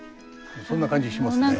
そんな感じしますね。